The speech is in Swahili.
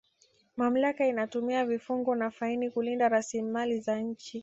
mamlaka inatumia vifungo na faini kulinda rasilimali za nchi